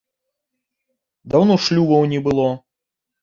Даўно шлюбаў не было.